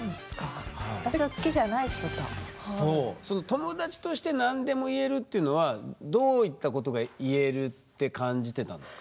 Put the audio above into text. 友達として何でも言えるっていうのはどういったことが言えるって感じてたんですか？